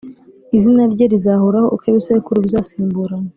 izina rye rizahoraho uko ibisekuru bizasimburana.